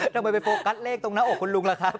ทำไมไปโฟกัสเลขตรงหน้าอกคุณลุงล่ะครับ